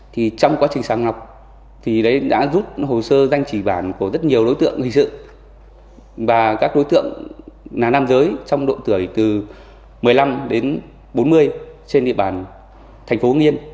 thì trong quá trình sàng lọc thì đã rút hồ sơ danh chỉ bản của rất nhiều đối tượng hình sự và các đối tượng là nam giới trong độ tuổi từ một mươi năm đến bốn mươi trên địa bàn thành phố nghiên